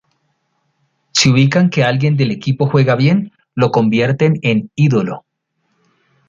Si ubican que alguien del equipo juega bien, lo convierten en ídolo.